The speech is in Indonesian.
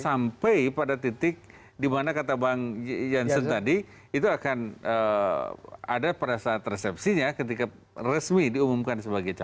sampai pada titik dimana kata bang jansen tadi itu akan ada pada saat resepsinya ketika resmi diumumkan sebagai calon